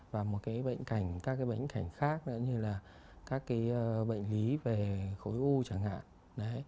và một cái bệnh cảnh các cái bệnh cảnh khác nữa như là các cái bệnh lý về khối u chẳng hạn